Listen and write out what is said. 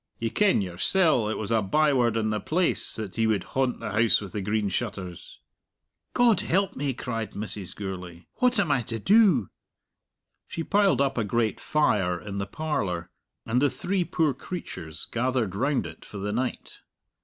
"Ye ken yoursell it was a byword in the place that he would haunt the House with the Green Shutters." "God help me!" cried Mrs. Gourlay; "what am I to do?" She piled up a great fire in the parlour, and the three poor creatures gathered round it for the night.